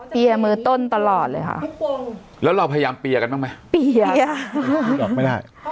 มือต้นตลอดเลยค่ะแล้วเราพยายามเปียร์กันบ้างไหมเปียนึกออกไม่ได้